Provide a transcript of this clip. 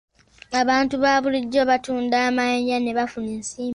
Abantu ba bulijjo batunda amayinja ne bafuna ensimbi.